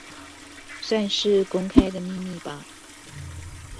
算是公開的秘密吧